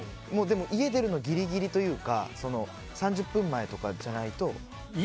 家出るのがギリギリというか３０分前とかじゃないと。